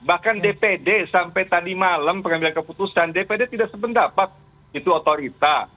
bahkan dpd sampai tadi malam pengambilan keputusan dpd tidak sependapat itu otorita